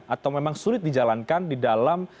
atau memang sulit dijalankan di dalam